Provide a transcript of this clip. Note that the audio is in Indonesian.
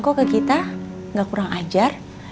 kok ke kita gak kurang ajar